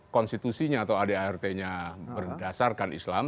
konstitusinya atau adart nya berdasarkan islam